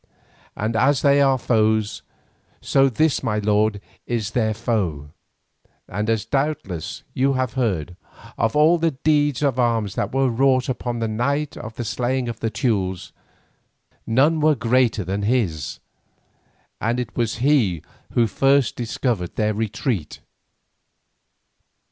And as they are foes, so this my lord is their foe, and as doubtless you have heard, of all the deeds of arms that were wrought upon the night of the slaying of the Teules, none were greater than his, and it was he who first discovered their retreat.